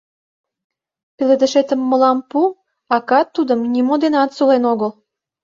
Пеледышетым мылам пу, акат тудым нимо денат сулен огыл.